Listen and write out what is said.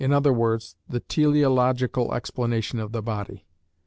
_, the teleological explanation of the body.